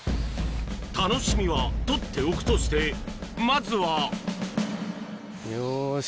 楽しみは取っておくとしてまずはよし。